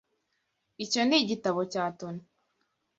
Icyo ni igitabo cya Tony.